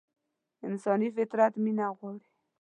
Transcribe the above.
انساني فطرت مينه غواړي.